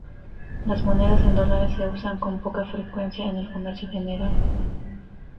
Las monedas en dólares se usan con poca frecuencia en el comercio general.